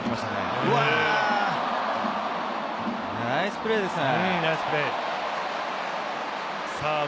ファインプレーですね。